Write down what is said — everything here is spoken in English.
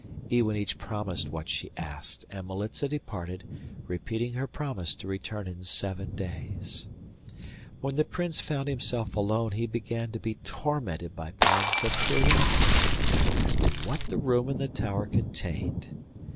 Iwanich promised what she asked, and Militza departed, repeating her promise to return in seven days. When the Prince found himself alone he began to be tormented by pangs of curiosity as to what the room in the tower contained.